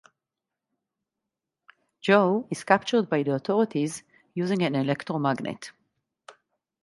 Joe is captured by the authorities using an electromagnet.